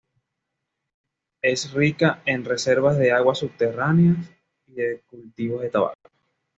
Es rica en reservas de aguas subterráneas y de cultivos de tabaco.